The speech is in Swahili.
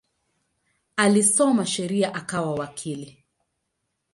Alisoma sheria akawa wakili.